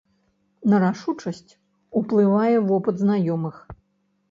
На рашучасць ўплывае вопыт знаёмых.